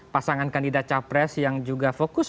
pasangan kandidat capres yang juga fokus